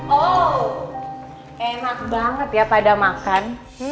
oh enak banget ya pada makan